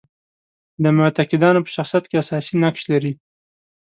د معتقدانو په شخصیت کې اساسي نقش لري.